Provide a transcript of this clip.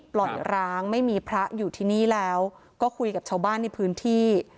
ร้างไม่มีพระอยู่ที่นี่แล้วก็คุยกับชาวบ้านในพื้นที่